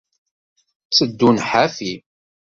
Tteddun ḥafi.